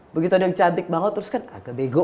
begitu ada yang cantik banget terus kan agak bego